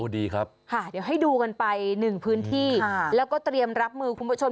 ดีครับค่ะเดี๋ยวให้ดูกันไปหนึ่งพื้นที่แล้วก็เตรียมรับมือคุณผู้ชม